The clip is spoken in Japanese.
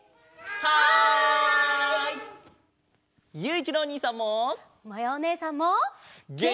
はい。